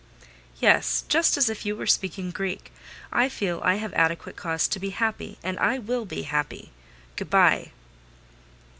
"Yes; just as if you were speaking Greek. I feel I have adequate cause to be happy, and I will be happy. Goodbye!"